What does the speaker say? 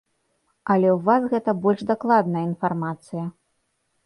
Але ў вас гэта больш дакладная інфармацыя.